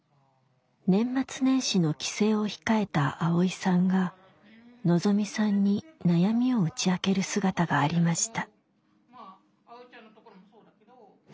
年末年始の帰省を控えたアオイさんがのぞみさんに悩みを打ち明ける姿がありました。